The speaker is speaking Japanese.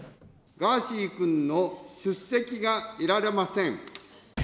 ガーシー君の出席が得られません。